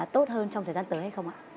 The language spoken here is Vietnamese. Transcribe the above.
tốt hơn trong thời gian tới hay không ạ